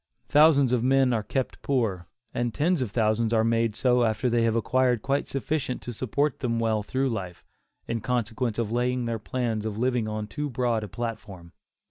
Thousands of men are kept poor, and tens of thousands are made so after they have acquired quite sufficient to support them well through life, in consequence of laying their plans of living on too broad a platform.